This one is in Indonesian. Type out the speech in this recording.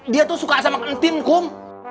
dia tuh suka sama kantin kum